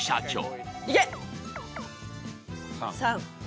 ３。